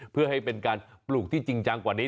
เพื่อให้เป็นการปลูกที่จริงจังกว่านี้